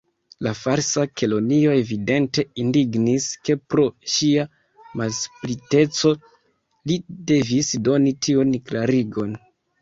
La Falsa Kelonio evidente indignis, ke pro ŝia malspriteco li devis doni tiun klarigon.